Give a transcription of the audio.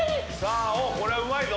これうまいぞ。